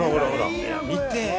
見て？